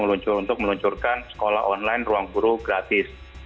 untuk meluncurkan sekolah online ruangguru gratis